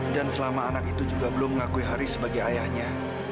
dan selama anak itu juga belum mengakui haris sebagai ayahnya